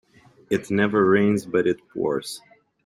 It never rains but it pours.